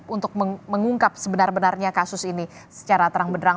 untuk mengungkap sebenar benarnya kasus ini secara terang benerang